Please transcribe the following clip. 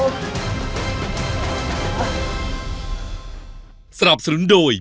สำหรับสลุนโดย